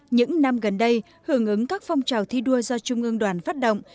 những năm gần đây hưởng ứng các phong trào thi đua do trung ương đoàn phát động